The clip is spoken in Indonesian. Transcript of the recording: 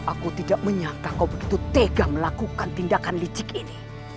aku tidak menyangka kau begitu tega melakukan tindakan licik ini